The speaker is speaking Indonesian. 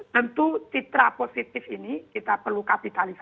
tentu citra positif ini kita perlu kapitalisasi